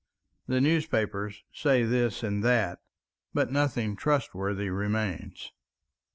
The newspapers say this and that, but nothing trustworthy remains.